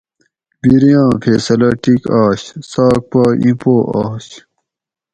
بِریاں فیصلہ ٹِیک آش څاک پا اِیں پو آش